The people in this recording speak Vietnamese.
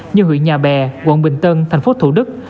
như huyện nhà bè quận bình tân tp thủ đức